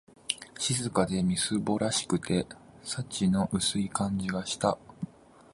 静かで、みすぼらしくて、幸の薄い感じがした